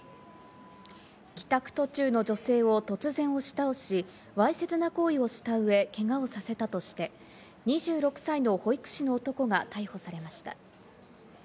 帰宅途中の女性を突然押し倒し、わいせつな行為をしたうえ、けがをさせたとして、２６歳の保育士の男が逮捕されました。